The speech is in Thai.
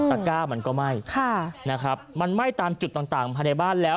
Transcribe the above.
ก้ามันก็ไหม้นะครับมันไหม้ตามจุดต่างภายในบ้านแล้ว